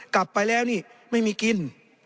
กลับไปแล้วนี่ไม่มีกิน